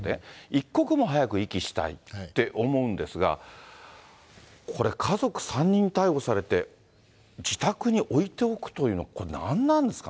一刻も早く遺棄したいって思うんですが、これ、家族３人逮捕されて、自宅に置いておくというのは、これ、何なんですか。